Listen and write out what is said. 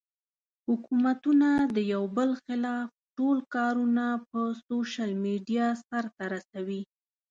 حکومتونه د يو بل خلاف ټول کارونه پۀ سوشل ميډيا سر ته رسوي